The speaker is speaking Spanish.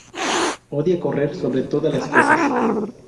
Odia correr sobre todas las cosas.